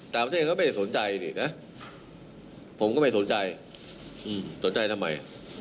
ต่างประเทศเขาไม่ได้สนใจนี่นะผมก็ไม่สนใจสนใจทำไม